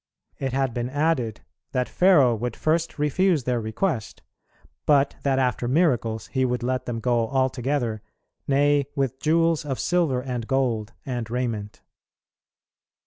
It had been added that Pharaoh would first refuse their request, but that after miracles he would let them go altogether, nay with "jewels of silver and gold, and raiment."